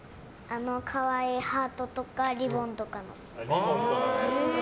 可愛いハートとかリボンとかの。